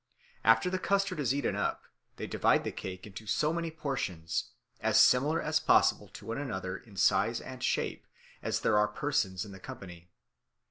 After the custard is eaten up, they divide the cake into so many portions, as similar as possible to one another in size and shape, as there are persons in the company.